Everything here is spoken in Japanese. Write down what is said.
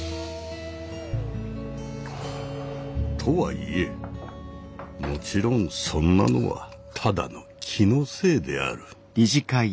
とはいえもちろんそんなのはただの気のせいである。